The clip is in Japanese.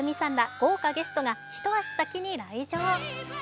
豪華ゲストが、一足先に来場。